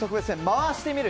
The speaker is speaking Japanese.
「回してみる。」